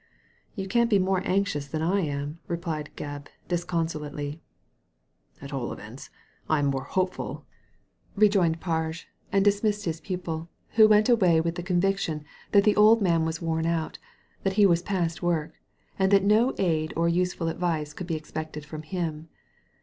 "You can't be more anxious than I am," replied Gebb, disconsolately. '^ At all events^ I am more hopeful," rejoined Parge, Digitized by Google 190 THE LADY FROM NOWHERE and dismissed his pupil, who went away with the conviction that the old man was worn out — ^that he was past work — and that no aid or useful advice could be expected from him.